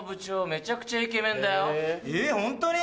めちゃくちゃイケメンだよ。えホントに？